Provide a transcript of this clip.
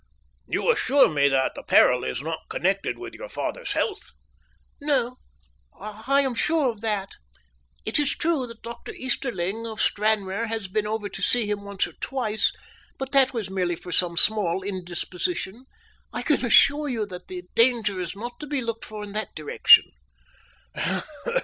You assure me that the peril is not connected with your father's health?" "No, I am sure of that. It is true that Dr. Easterling, of Stranraer, has been over to see him once or twice, but that was merely for some small indisposition. I can assure you that the danger is not to be looked for in that direction."